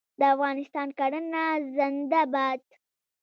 د افغانستان کرنه زنده باد.